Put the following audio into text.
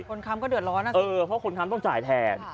คนค้ำก็เดือดร้อนน่ะสิครับเออเพราะคนค้ำต้องจ่ายแทน